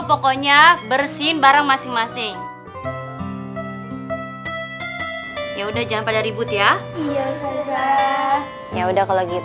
pokoknya bersihin barang masing masing ya udah jangan pada ribut ya iya udah kalau gitu